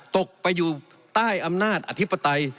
ตกไปอยู่ใต้อำนาจอธิปไตย